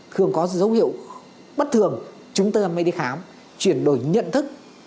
thường có dấu hiệu bất thường chúng ta mới đi khám chuyển đổi nhận thức